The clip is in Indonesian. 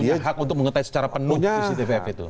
dia punya hak untuk mengetes secara penuh di ctvf itu